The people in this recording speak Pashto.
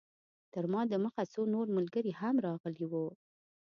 تر ما د مخه څو نور ملګري هم راغلي وو.